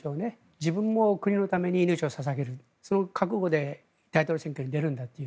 自分も国のために命を捧げるその覚悟で大統領選挙に出るんだという。